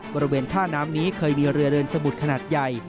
บริเวณท่าน้ำนี้เคยมีเรือเดินสมุดขนาดใหญ่